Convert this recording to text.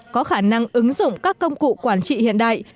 có khả năng ứng dụng các công cụ quản trị hiện đại